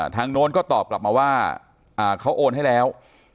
โน้นก็ตอบกลับมาว่าเขาโอนให้แล้ว